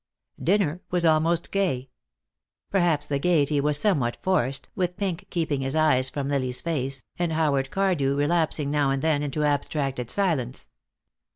Dinner was almost gay. Perhaps the gayety was somewhat forced, with Pink keeping his eyes from Lily's face, and Howard Cardew relapsing now and then into abstracted silence.